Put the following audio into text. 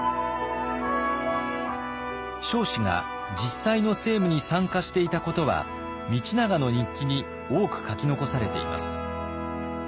彰子が実際の政務に参加していたことは道長の日記に多く書き残されています。